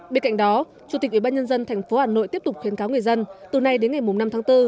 bên cạnh đó chủ tịch ủy ban nhân dân tp hà nội tiếp tục khuyến cáo người dân từ nay đến ngày năm tháng bốn